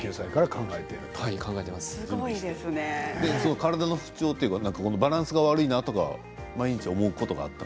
体の不調というのはバランスが悪いとか毎日思うことあったの？